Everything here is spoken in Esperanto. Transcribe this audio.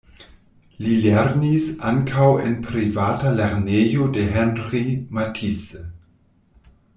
Li lernis ankaŭ en privata lernejo de Henri Matisse.